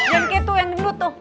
jangan kayak tuh yang bener tuh